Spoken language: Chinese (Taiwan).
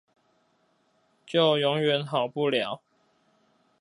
就永遠好不了